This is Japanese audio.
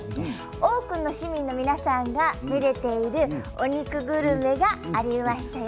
多くの市民の皆さんがめでているお肉グルメがありましたよ。